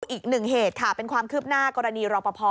อีกหนึ่งเหตุค่ะเป็นความคืบหน้ากรณีรอปภ